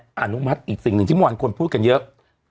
ดมอาณุมัติอีกสิ่งที่มัวห่านควรพูดกันเยอะ